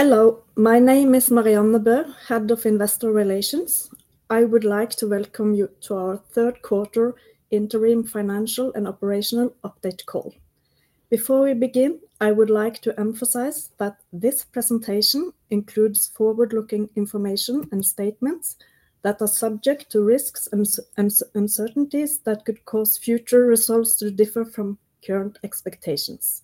Hello, my name is Marianne Bøe, Head of Investor Relations. I would like to welcome you to our third quarter interim financial and operational update call. Before we begin, I would like to emphasize that this presentation includes forward-looking information and statements that are subject to risks and uncertainties that could cause future results to differ from current expectations.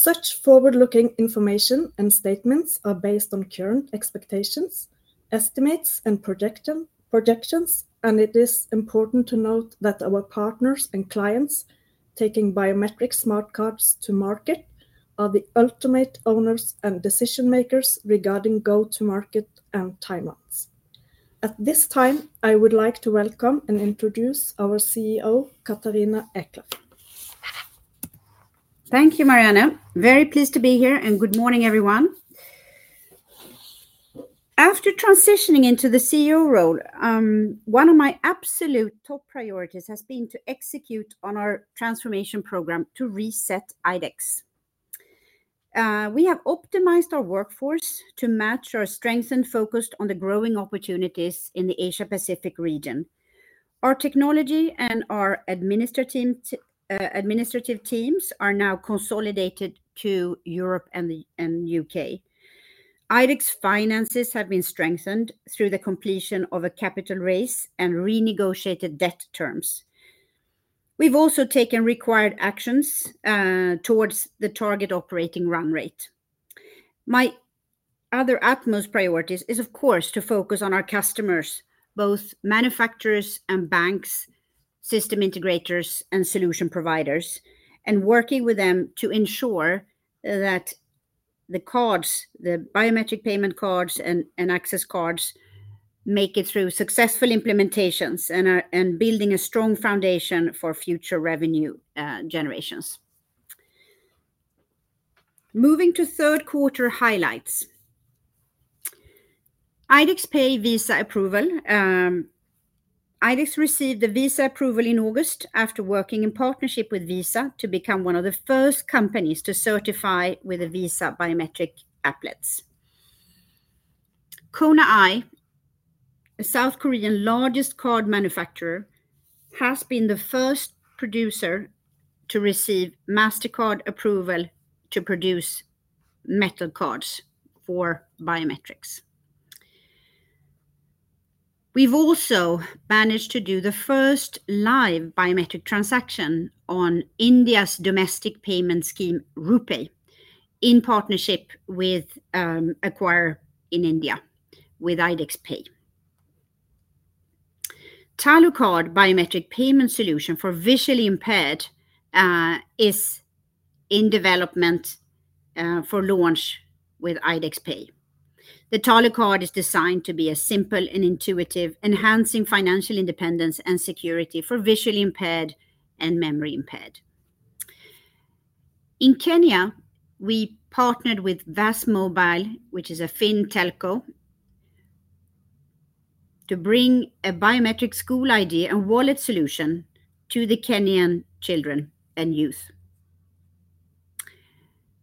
Such forward-looking information and statements are based on current expectations, estimates, and projections, and it is important to note that our partners and clients taking biometric smart cards to market are the ultimate owners and decision-makers regarding go-to-market and timelines. At this time, I would like to welcome and introduce our CEO, Catharina Eklöf. Thank you, Marianne. Very pleased to be here, and good morning, everyone. After transitioning into the CEO role, one of my absolute top priorities has been to execute on our transformation program to reset IDEX. We have optimized our workforce to match our strengths and focused on the growing opportunities in the Asia-Pacific region. Our technology and our administrative teams are now consolidated to Europe and the UK. IDEX finances have been strengthened through the completion of a capital raise and renegotiated debt terms. We've also taken required actions towards the target operating run rate. My other utmost priorities is, of course, to focus on our customers, both manufacturers and banks, system integrators, and solution providers, and working with them to ensure that the cards, the biometric payment cards and access cards, make it through successful implementations and are building a strong foundation for future revenue generations. Moving to third quarter highlights. IDEX Pay Visa approval. IDEX received the Visa approval in August after working in partnership with Visa to become one of the first companies to certify with a Visa biometric applet. KONA I, South Korea's largest card manufacturer, has been the first producer to receive Mastercard approval to produce metal cards for biometrics. We've also managed to do the first live biometric transaction on India's domestic payment scheme, RuPay, in partnership with an acquirer in India with IDEX Pay. Talu Card biometric payment solution for visually impaired is in development for launch with IDEX Pay. The Talu Card is designed to be a simple and intuitive, enhancing financial independence and security for visually impaired and memory impaired. In Kenya, we partnered with Vasmobile, which is a fintech, to bring a biometric school ID and wallet solution to the Kenyan children and youth.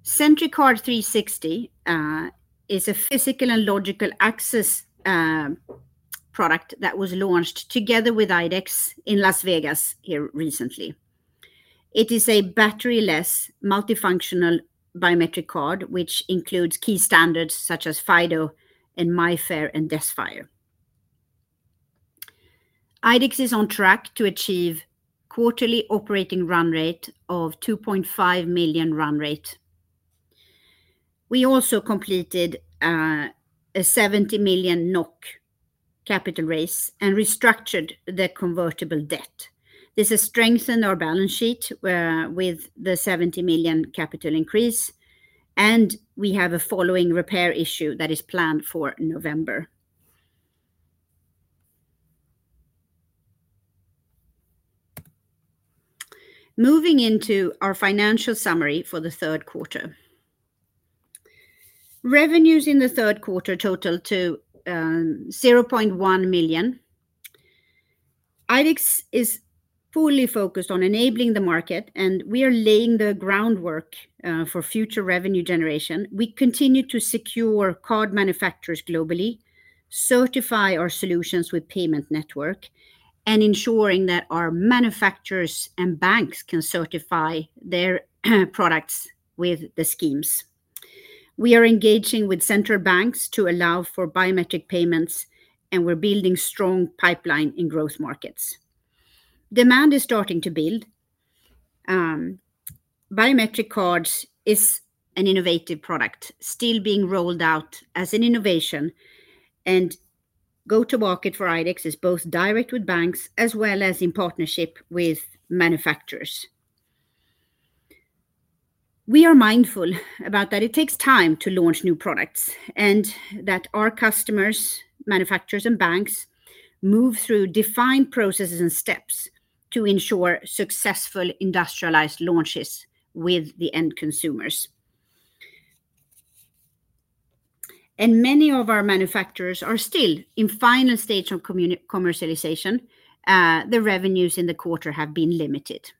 SentryCard 360 is a physical and logical access product that was launched together with IDEX in Las Vegas here recently. It is a battery-less, multifunctional biometric card, which includes key standards such as FIDO and MIFARE and DESFire. IDEX is on track to achieve quarterly operating run rate of 2.5 million run rate. We also completed a 70 million NOK capital raise and restructured the convertible debt. This has strengthened our balance sheet, where with the 70 million capital increase, and we have a following rights issue that is planned for November. Moving into our financial summary for the third quarter. Revenues in the third quarter total to 0.1 million. IDEX is fully focused on enabling the market, and we are laying the groundwork for future revenue generation. We continue to secure card manufacturers globally, certify our solutions with payment network, and ensuring that our manufacturers and banks can certify their products with the schemes. We are engaging with central banks to allow for biometric payments, and we're building strong pipeline in growth markets. Demand is starting to build. Biometric cards is an innovative product, still being rolled out as an innovation, and go-to-market for IDEX is both direct with banks as well as in partnership with manufacturers. We are mindful about that it takes time to launch new products, and that our customers, manufacturers, and banks, move through defined processes and steps to ensure successful industrialized launches with the end consumers, and many of our manufacturers are still in final stage of commercialization. The revenues in the quarter have been limited.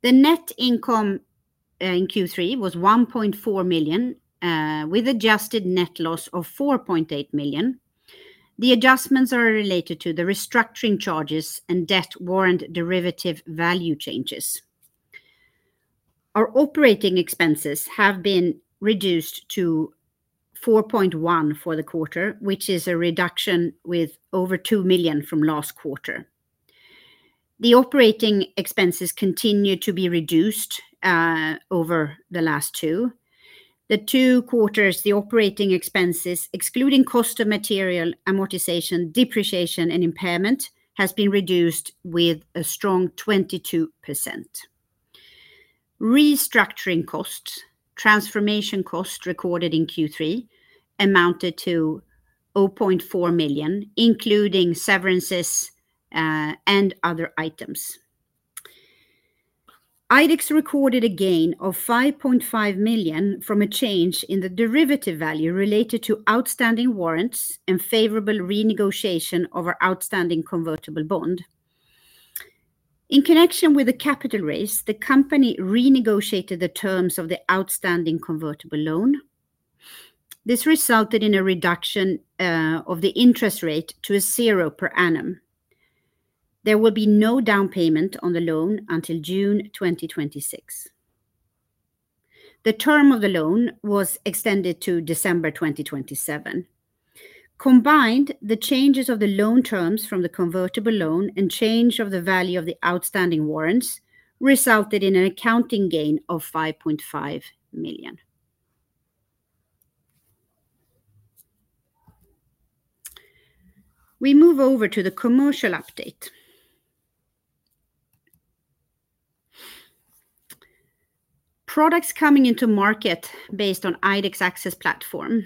The net income in Q3 was 1.4 million, with adjusted net loss of 4.8 million. The adjustments are related to the restructuring charges and debt warrant derivative value changes. Our operating expenses have been reduced to 4.1 million for the quarter, which is a reduction with over 2 million from last quarter. The operating expenses continue to be reduced over the last two quarters. The operating expenses, excluding cost of material, amortization, depreciation, and impairment, has been reduced with a strong 22%. Restructuring costs, transformation costs recorded in Q3 amounted to 0.4 million, including severances, and other items. IDEX recorded a gain of 5.5 million from a change in the derivative value related to outstanding warrants and favorable renegotiation of our outstanding convertible bond. In connection with the capital raise, the company renegotiated the terms of the outstanding convertible loan. This resulted in a reduction of the interest rate to 0% per annum. There will be no down payment on the loan until June 2026. The term of the loan was extended to December 2027. Combined, the changes of the loan terms from the convertible loan and change of the value of the outstanding warrants resulted in an accounting gain of 5.5 million. We move over to the commercial update. Products coming into market based on IDEX access platform.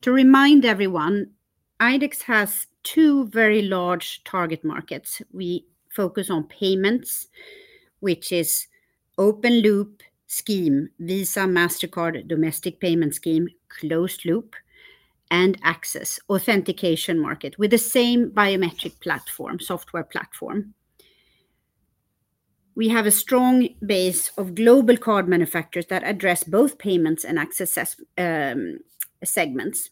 To remind everyone, IDEX has two very large target markets. We focus on payments, which is open loop scheme, Visa, Mastercard, domestic payment scheme, closed loop, and access, authentication market, with the same biometric platform, software platform. We have a strong base of global card manufacturers that address both payments and access, segments.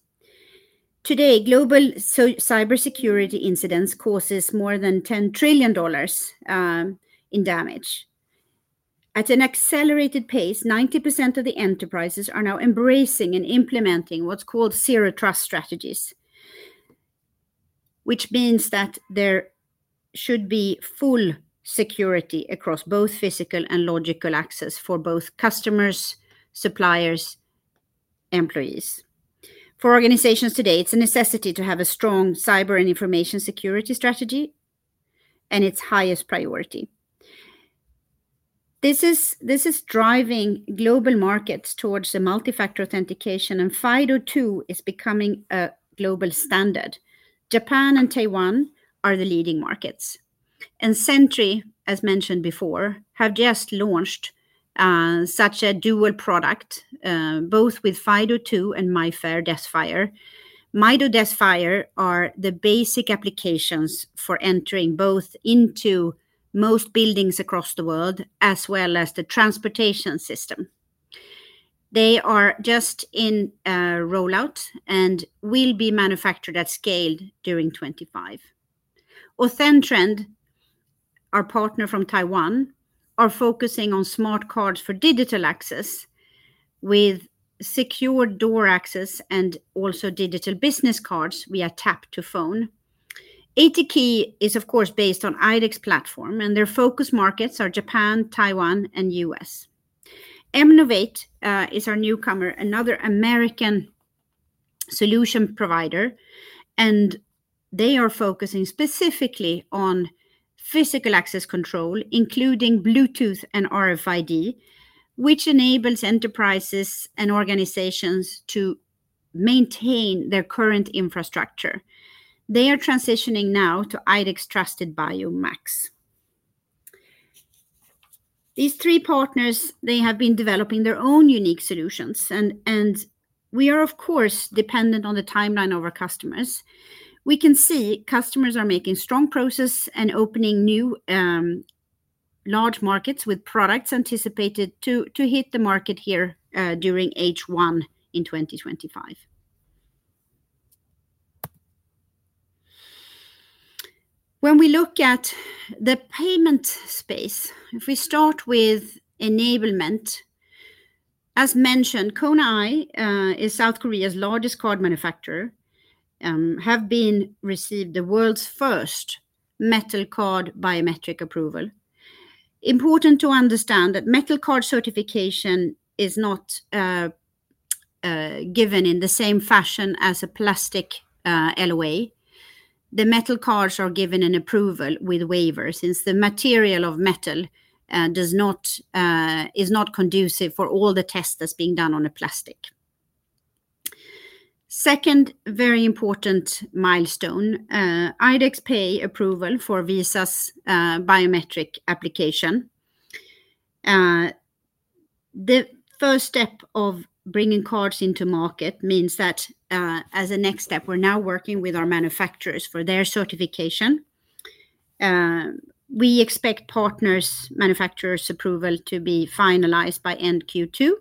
Today, global cybersecurity incidents cause more than $10 trillion in damage. At an accelerated pace, 90% of the enterprises are now embracing and implementing what's called zero trust strategies, which means that there should be full security across both physical and logical access for both customers, suppliers, employees. For organizations today, it's a necessity to have a strong cyber and information security strategy, and its highest priority. This is driving global markets towards the multi-factor authentication, and FIDO2 is becoming a global standard. Japan and Taiwan are the leading markets, and Sentry, as mentioned before, have just launched such a dual product both with FIDO2 and MIFARE DESFire. MIFARE DESFire are the basic applications for entering both into most buildings across the world, as well as the transportation system. They are just in rollout and will be manufactured at scale during 2025. AuthenTrend, our partner from Taiwan, are focusing on smart cards for digital access with secure door access and also digital business cards via tap-to-phone. ATKey is, of course, based on IDEX platform, and their focus markets are Japan, Taiwan, and U.S. M-NOVATE is our newcomer, another American solution provider, and they are focusing specifically on physical access control, including Bluetooth and RFID, which enables enterprises and organizations to maintain their current infrastructure. They are transitioning now to IDEX TrustedBio Max. These three partners, they have been developing their own unique solutions, and we are, of course, dependent on the timeline of our customers. We can see customers are making strong progress and opening new large markets with products anticipated to hit the market here during H1 in 2025. When we look at the payment space, if we start with enablement, as mentioned, KONA I is South Korea's largest card manufacturer, have received the world's first metal card biometric approval. Important to understand that metal card certification is not given in the same fashion as a plastic LOA. The metal cards are given an approval with waiver, since the material of metal does not is not conducive for all the tests that's being done on a plastic. Second very important milestone, IDEX Pay approval for Visa's biometric application. The first step of bringing cards into market means that, as a next step, we're now working with our manufacturers for their certification. We expect partners, manufacturers' approval to be finalized by end Q2.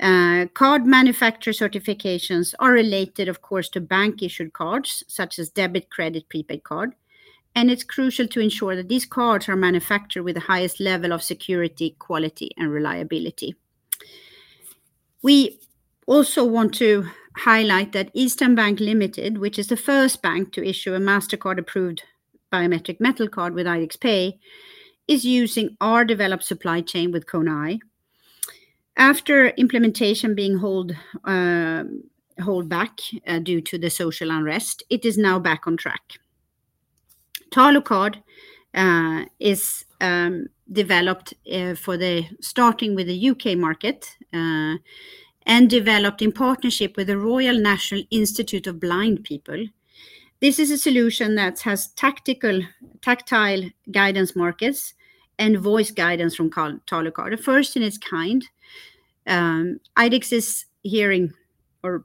Card manufacturer certifications are related, of course, to bank-issued cards, such as debit, credit, prepaid card, and it's crucial to ensure that these cards are manufactured with the highest level of security, quality, and reliability. We also want to highlight that Eastern Bank Limited, which is the first bank to issue a Mastercard-approved biometric metal card with IDEX Pay, is using our developed supply chain with KONA I. After implementation being held back due to the social unrest, it is now back on track. Talu Card is developed starting with the UK market, and developed in partnership with the Royal National Institute of Blind People. This is a solution that has tactile guidance markers and voice guidance from Talu Card, the first in its kind. IDEX is hearing and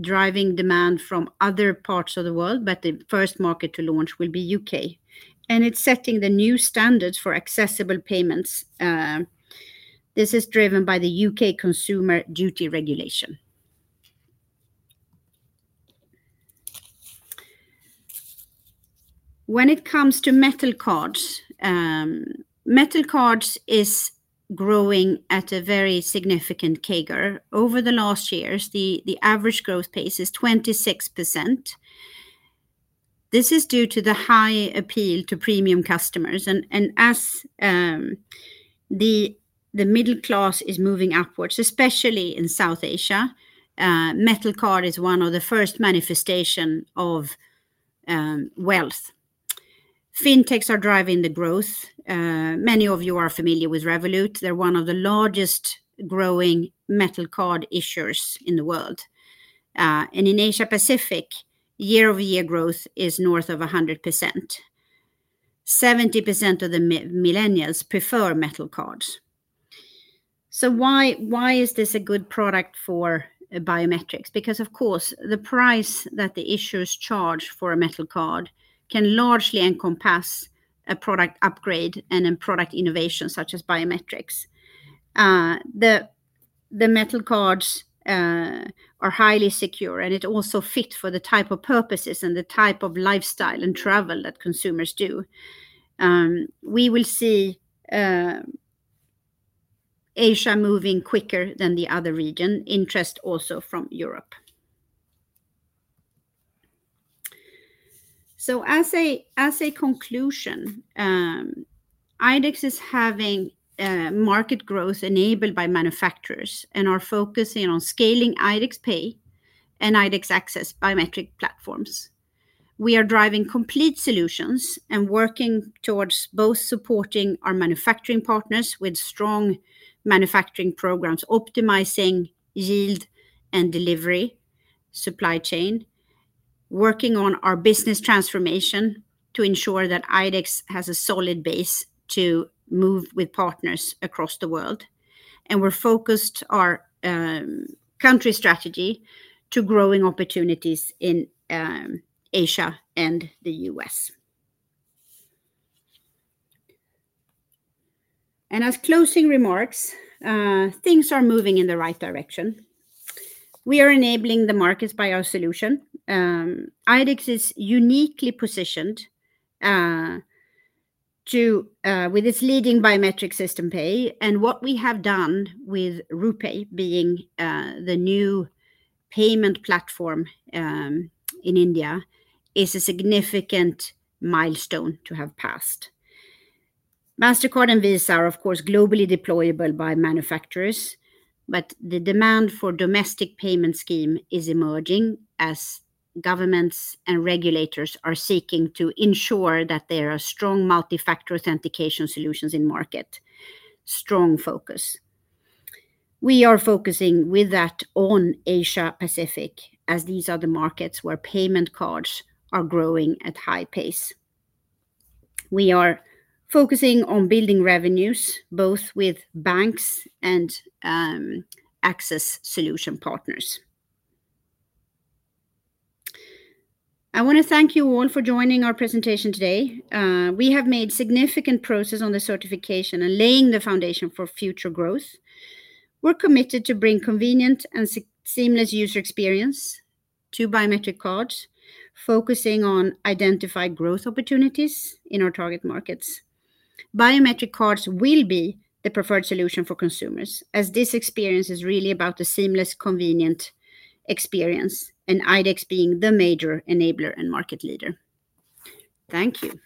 driving demand from other parts of the world, but the first market to launch will be UK, and it's setting the new standards for accessible payments. This is driven by the UK Consumer Duty Regulation. When it comes to metal cards, metal cards is growing at a very significant CAGR. Over the last years, the average growth pace is 26%. This is due to the high appeal to premium customers, and as the middle class is moving upwards, especially in South Asia, metal card is one of the first manifestation of wealth. Fintechs are driving the growth. Many of you are familiar with Revolut. They're one of the largest growing metal card issuers in the world, and in Asia-Pacific, year-over-year growth is north of 100%. 70% of the millennials prefer metal cards. Why is this a good product for biometrics? Because, of course, the price that the issuers charge for a metal card can largely encompass a product upgrade and a product innovation, such as biometrics. The metal cards are highly secure, and it also fit for the type of purposes and the type of lifestyle and travel that consumers do. We will see Asia moving quicker than the other region, interest also from Europe. As a conclusion, IDEX is having market growth enabled by manufacturers and are focusing on scaling IDEX Pay and IDEX Access biometric platforms. We are driving complete solutions and working towards both supporting our manufacturing partners with strong manufacturing programs, optimizing yield and delivery, supply chain, working on our business transformation to ensure that IDEX has a solid base to move with partners across the world, and we're focused our country strategy to growing opportunities in Asia and the US. As closing remarks, things are moving in the right direction. We are enabling the markets by our solution. IDEX is uniquely positioned with its leading IDEX Pay, and what we have done with RuPay, being the new payment platform in India, is a significant milestone to have passed. Mastercard and Visa are, of course, globally deployable by manufacturers, but the demand for domestic payment scheme is emerging as governments and regulators are seeking to ensure that there are strong multi-factor authentication solutions in market. Strong focus. We are focusing with that on Asia-Pacific, as these are the markets where payment cards are growing at high pace. We are focusing on building revenues, both with banks and access solution partners. I wanna thank you all for joining our presentation today. We have made significant progress on the certification and laying the foundation for future growth. We're committed to bring convenient and seamless user experience to biometric cards, focusing on identified growth opportunities in our target markets. Biometric cards will be the preferred solution for consumers, as this experience is really about the seamless, convenient experience, and IDEX being the major enabler and market leader. Thank you.